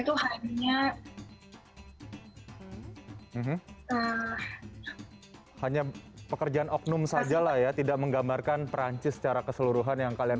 itu hanya hanya pekerjaan oknum sajalah ya tidak menggambarkan perancis secara keseluruhan yang kalian